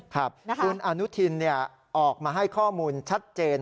ครับคุณอนุทินออกมาให้ข้อมูลชัดเจน